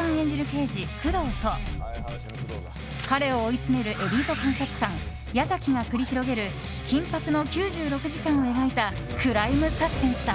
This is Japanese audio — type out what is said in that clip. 刑事・工藤と彼を追い詰めるエリート監察官矢崎が繰り広げる緊迫の９６時間を描いたクライムサスペンスだ。